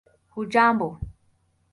hujambo